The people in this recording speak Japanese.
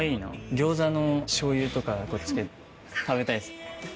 餃子のしょうゆとかつけて食べたいですね。